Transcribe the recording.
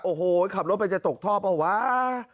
โอ้โหขับรถไปจะตกท่อเปล่าวะ